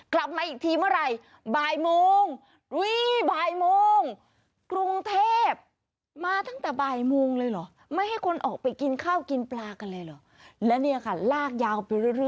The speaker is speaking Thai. กลับมาอีกทีเมื่อไหร่บ่ายมุง